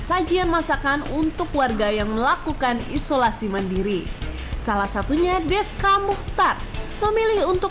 sajian masakan untuk warga yang melakukan isolasi mandiri salah satunya deska mukhtar memilih untuk